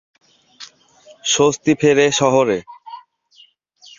স্বস্তি ফেরে শহরে।